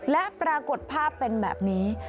และปรากฏภาพเป็นแบบนี้